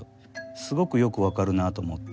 すごくよく分かるなと思って。